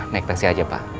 naik taksi aja pak